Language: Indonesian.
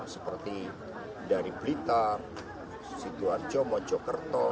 seperti dari blita situarjo mojokerto